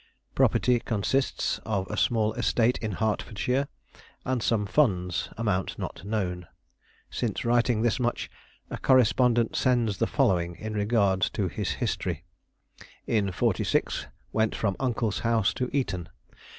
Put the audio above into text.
Property consists of a small estate in Hertfordshire, and some funds, amount not known. Since writing this much, a correspondent sends the following in regard to his history. In '46 went from uncle's house to Eton.